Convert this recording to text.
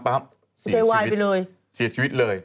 เซวายไปเลยเสียชีวิตเลย